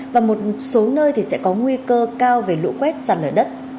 và một số nơi thì sẽ có nguy cơ cao về lũ quét sàn ở đất